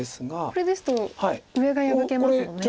これですと上が破けますよね。